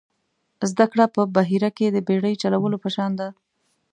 زده کړه په بحیره کې د بېړۍ چلولو په شان ده.